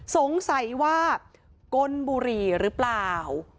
สงสัยว่าก้นบุหรี่หรือเปล่า